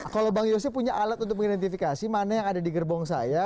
kalau bang yose punya alat untuk mengidentifikasi mana yang ada di gerbong saya